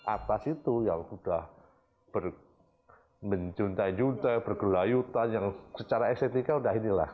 atas itu yang sudah berjunta junta bergelayutan yang secara estetika sudah inilah